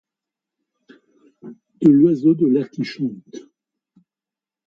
De l'oiseau de l'air qui chante